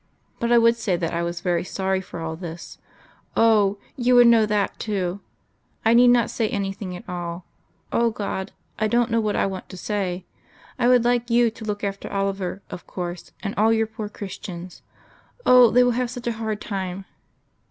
But I would say that I was very sorry for all this. Oh! You would know that too. I need not say anything at all. O God! I don't know what I want to say. I would like You to look after Oliver, of course, and all Your poor Christians. Oh! they will have such a hard time....